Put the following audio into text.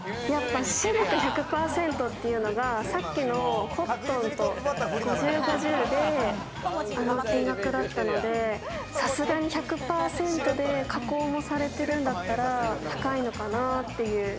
やっぱシルク１００％っていうのが、さっきのコットンと５０、５０であの金額だったので、さすがに１００％で加工もされているんだったら高いのかな？っていう。